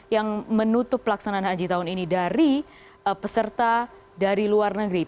yang menutup pelaksanaan haji tahun ini dari peserta dari luar negeri